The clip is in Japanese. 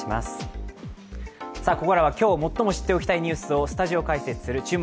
ここからは今日、最も知っておきたいニュースをスタジオ解説する「注目！